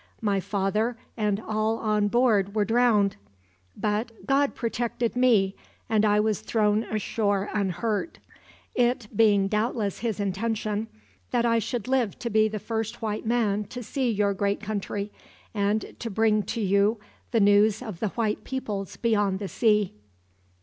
My father and all on board were drowned. But God protected me, and I was thrown ashore unhurt; it being doubtless His intention that I should live to be the first white man to see your great country, and to bring to you the news of the white peoples beyond the sea."